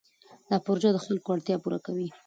دا پروژه د خلکو اړتیا پوره کوي.